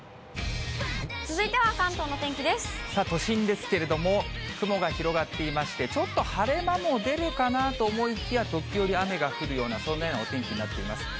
都心ですけれども、雲が広がっていまして、ちょっと晴れ間も出るかなと思いきや、時折、雨が降るような、そんなようなお天気になっています。